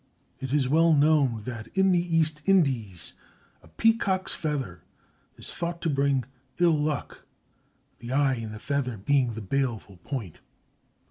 It is well known that in the East Indies a peacock's feather is thought to bring ill luck, the eye in the feather being the baleful point.